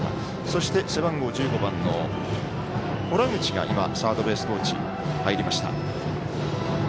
そして、背番号１５番の洞口がサードベースコーチに入りました。